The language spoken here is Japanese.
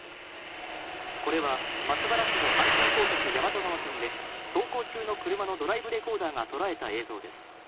これは、松原市の阪神高速大和川線で、走行中の車のドライブレコーダーが捉えた映像です。